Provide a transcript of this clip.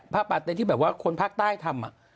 ปาเต็นที่แบบว่าคนภาคใต้ทำ